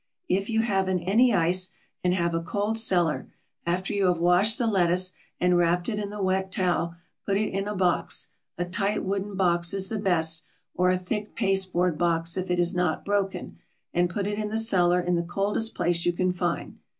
If you haven't any ice and have a cold cellar, after you have washed the lettuce and wrapped it in the wet towel, put it in a box; a tight wooden box is the best, or a thick pasteboard box if it is not broken; and put it in the cellar in the coldest place you can find.